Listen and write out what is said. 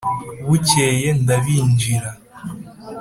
Bukeye ndabinjira